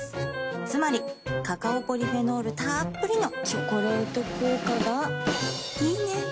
つまりカカオポリフェノールたっぷりの「チョコレート効果」がいいね。